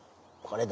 これ！